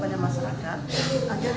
jadi kita harus menggunakan masker